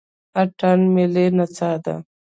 اتن ملي نڅا ده